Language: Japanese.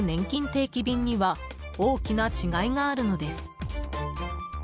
定期便には大きな違いがあるのです。